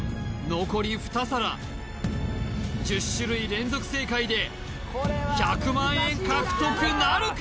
残り２皿１０種類連続正解で１００万円獲得なるか？